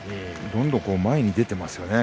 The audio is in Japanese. どんどん前に出ていますよね。